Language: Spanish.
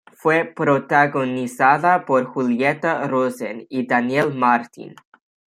Fue protagonizada por Julieta Rosen y Daniel Martin.